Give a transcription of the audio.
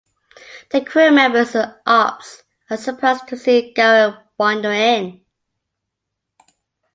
The crew members in Ops are surprised to see Garak wander in.